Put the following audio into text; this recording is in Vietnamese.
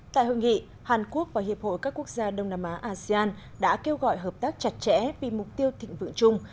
tại hội nghị hàn quốc và hiệp hội các quốc gia đông nam á asean đã kêu gọi hợp tác chặt chẽ vì mục tiêu thịnh vượng chung